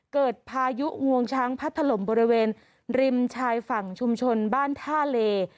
พายุงวงช้างพัดถล่มบริเวณริมชายฝั่งชุมชนบ้านท่าเล